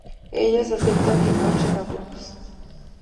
Ellas aceptan y marchan a Burgos.